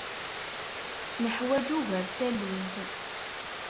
Neḥwaǧ ugar n tallunt.